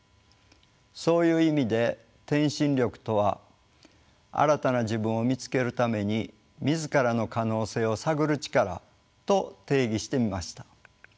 そういう意味で「転身力」とは新たな自分を見つけるために自らの可能性を探る力と定義してみました。